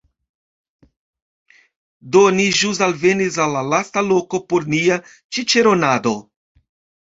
Do, ni ĵus alvenis al la lasta loko por nia ĉiĉeronado